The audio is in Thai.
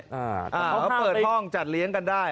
เขาเปิดห้องจัดเลี้ยงกันได้